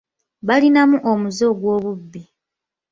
Balinamu omuze ogw'obubbi.